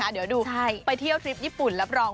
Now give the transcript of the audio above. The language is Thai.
เดี๋ยวดูไปเที่ยวทริปญี่ปุ่น